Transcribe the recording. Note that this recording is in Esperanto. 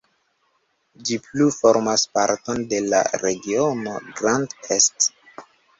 Ĝi plu formas parton de la regiono Grand Est.